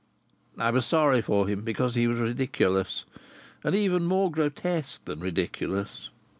I was sorry for him because he was ridiculous and even more grotesque than ridiculous.